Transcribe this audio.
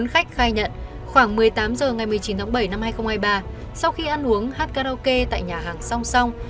khách khai nhận khoảng một mươi tám h ngày một mươi chín tháng bảy năm hai nghìn hai mươi ba sau khi ăn uống hát karaoke tại nhà hàng song song